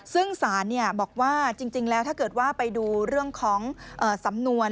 ซึ่งศาลบอกว่าจริงแล้วถ้าเกิดว่าไปดูเรื่องของสำนวน